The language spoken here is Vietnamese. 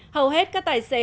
hầu hết các tài xế